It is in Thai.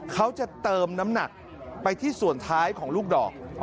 เขาจะเติมน้ำหนักไปที่ส่วนท้ายของลูกดอก